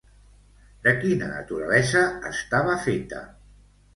De quina naturalesa estava feta?